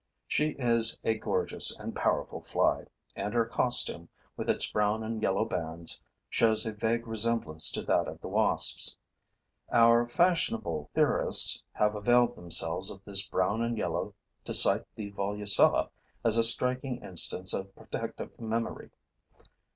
She is a gorgeous and powerful fly; and her costume, with its brown and yellow bands, shows a vague resemblance to that of the wasps. Our fashionable theorists have availed themselves of this brown and yellow to cite the Volucella as a striking instance of protective mimicry.